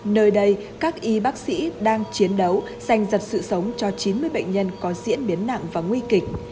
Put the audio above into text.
nơi đây các y bác sĩ đang chiến đấu dành giật sự sống cho chín mươi bệnh nhân có diễn biến nặng và nguy kịch